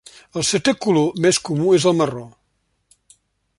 El setè color més comú és el marró.